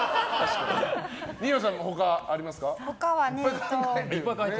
二葉さんも他ありますか？